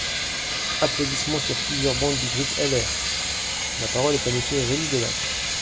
(Applaudissements sur plusieurs bancs du groupe LR.) La parole est à Monsieur Rémi Delatte.